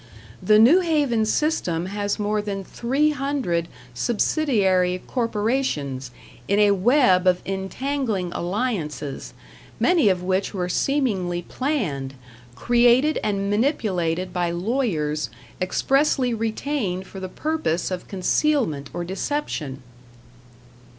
The New Haven system has more than three hundred subsidiary corporations in a web of entangling alliances, many of which were seemingly planned, created and manipulated by lawyers expressly retained for the purpose of concealment or deception.